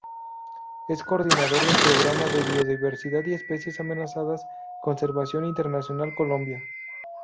Es coordinador del "Programa de Biodiversidad y Especies Amenazadas, Conservación Internacional Colombia.